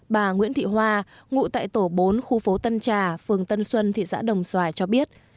bà nguyễn thị hoa ngụ tại tổ bốn khu phố tân trà phường tân xuân thị xã đồng xoài cho biết